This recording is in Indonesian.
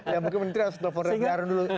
ya mungkin menteri harus telepon dari daerah dulu